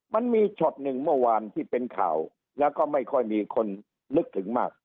มันมีช็อตหนึ่งเมื่อวานที่เป็นข่าวแล้วก็ไม่ค่อยมีคนนึกถึงมาก